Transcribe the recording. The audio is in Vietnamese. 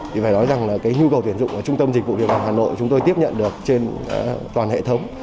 thì phải nói rằng là cái nhu cầu tuyển dụng ở trung tâm dịch vụ việc làm hà nội chúng tôi tiếp nhận được trên toàn hệ thống